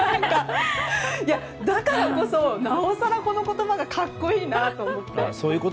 だからこそなおさらこの言葉が格好いいなと思って。